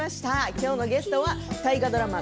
きょうのゲストは大河ドラマ